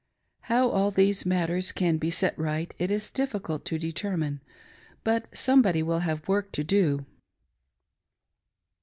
How all these matters can be set right it is difficult to determine, but somebody will have work to do.